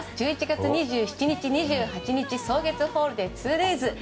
１１月２７日２８日草月ホールで２デイズ。